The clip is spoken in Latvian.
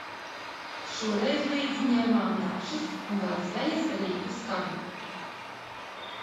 Šoreiz līdzi ņēmām dakšas un vēl zvejas rīkus kabi.